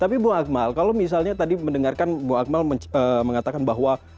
tapi bu akmal kalau misalnya tadi mendengarkan bu akmal mengatakan bahwa